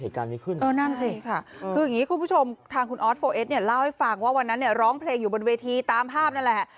เล่าให้ฟังว่าวันนั้นร้องเพลงอยู่บนเวทีตามภาพนั่นแหละ